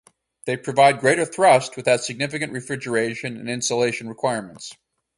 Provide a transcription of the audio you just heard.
They provide greater thrust without significant refrigeration and insulation requirements.